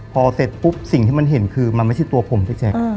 พอเสร็จปุ๊บสิ่งที่มันเห็นคือมันไม่ใช่ตัวผมพี่แจ๊ค